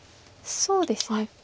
そうですね。